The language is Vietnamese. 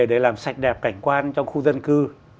để làm sạch đẹp cảnh quan trong khu dân cư